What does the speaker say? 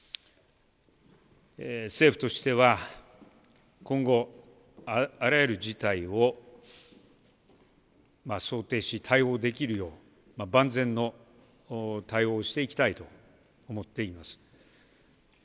政府としては、今後、あらゆる事態を想定し、対応できるよう、万全の対応をしていきたいと思っています。